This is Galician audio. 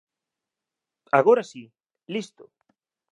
Agora si, listo!